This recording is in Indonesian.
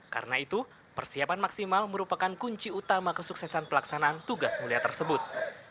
karena itu persiapan maksimal merupakan kunci utama kesuksesan pelaksanaan tugas mulia tersebut